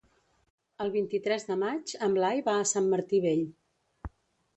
El vint-i-tres de maig en Blai va a Sant Martí Vell.